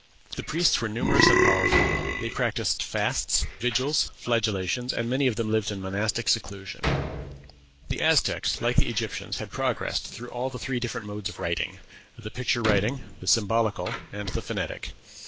The priests were numerous and powerful. They practised fasts, vigils, flagellations, and many of them lived in monastic seclusion. The Aztecs, like the Egyptians, had progressed through all the three different modes of writing the picture writing, the symbolical, and the phonetic.